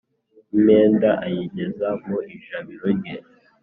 impenda ayigeza mu ijabiro rye.